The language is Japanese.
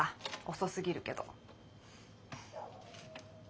遅すぎるけど。